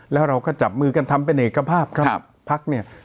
แล้วเราก็จับมือกันทำเป็นเอกภาพครับพักเนี่ย